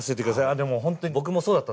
あでも本当に僕もそうだったんですよ。